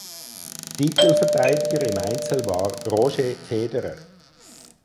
Titelverteidiger im Einzel war Roger Federer.